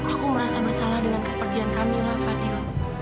aku merasa bersalah dengan kepergian kamilah fadil